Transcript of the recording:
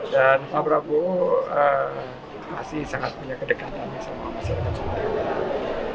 dan pak prabowo masih sangat punya kedekatan sama masyarakat